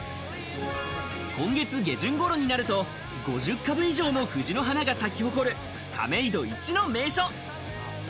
今月下旬頃になると５０株以上も藤の花が咲き誇る亀戸いちの名所。